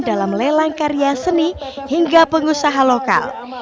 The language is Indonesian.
dalam lelang karya seni hingga pengusaha lokal